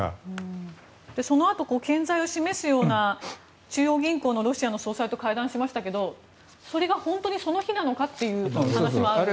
そのあと健在を示すような中央銀行のロシアの総裁と会談しましたがそれが本当にその日なのかという話もありますね。